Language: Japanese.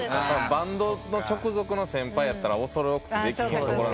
バンドの直属の先輩やったら恐れ多くてできん。